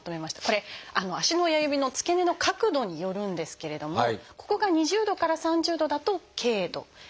これ足の親指の付け根の角度によるんですけれどもここが２０度から３０度だと「軽度」。